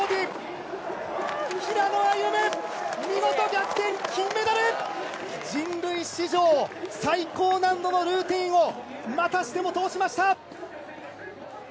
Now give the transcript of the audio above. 平野歩夢見事逆転、金メダル！人類史上最高難度のルーティンをまたしても通しました！